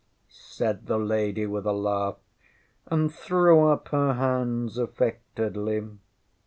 ŌĆÖ said the lady with a laugh, and threw up her hands affectedly.